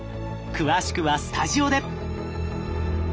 詳しくはスタジオで！